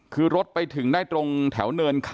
คือรถไปถึงได้ตรงแถวเนินคัน